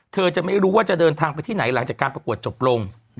เธอจะไม่รู้ว่าจะเดินทางไปที่ไหนหลังจากการประกวดจบลง